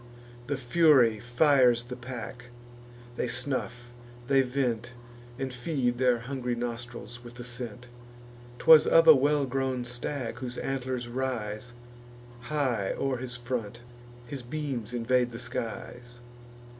The Fury fires the pack; they snuff, they vent, And feed their hungry nostrils with the scent. 'Twas of a well grown stag, whose antlers rise High o'er his front; his beams invade the skies.